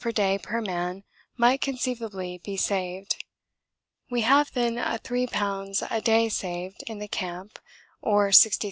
per day per man might conceivably be saved. We have then a 3 lbs. a day saved in the camp, or 63 lbs.